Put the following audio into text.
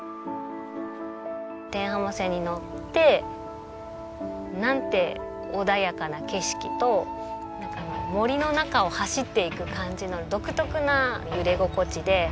天浜線に乗ってなんて穏やかな景色と森の中を走っていく感じの独特な揺れ心地で。